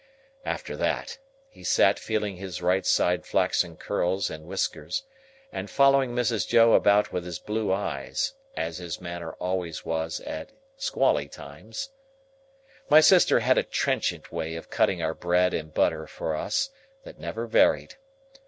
After that, he sat feeling his right side flaxen curls and whisker, and following Mrs. Joe about with his blue eyes, as his manner always was at squally times. My sister had a trenchant way of cutting our bread and butter for us, that never varied.